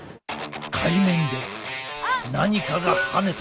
海面で何かがはねた。